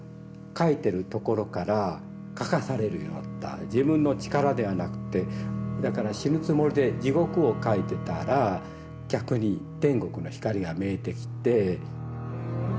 描いてるところから描かされるようになった自分の力ではなくてだから死ぬつもりで地獄を描いてたら逆に天国の光が見えてきて。